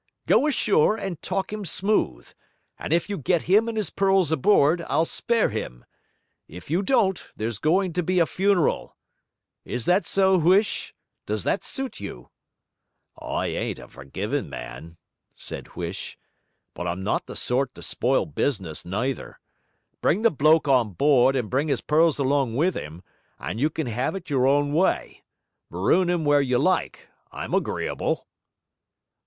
'Go ashore, and talk him smooth; and if you get him and his pearls aboard, I'll spare him. If you don't, there's going to be a funeral. Is that so, Huish? does that suit you?' 'I ain't a forgiving man,' said Huish, 'but I'm not the sort to spoil business neither. Bring the bloke on board and bring his pearls along with him, and you can have it your own way; maroon him where you like I'm agreeable.'